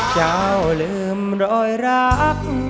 เจ้าลืมรอยรัก